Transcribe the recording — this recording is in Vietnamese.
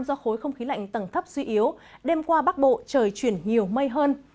do khối không khí lạnh tầng thấp duy yếu đem qua bắc bộ trời chuyển nhiều mây hơn